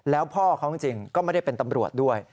แล้วพ่อเขาจริงก็ไม่ได้เป็นตำรวจด้วย